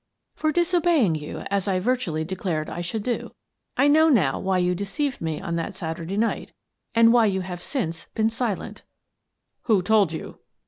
" For disobeying you as I virtually declared I should do. I know now why you deceived me on that Saturday night and why you have since been silent" "Who told you?"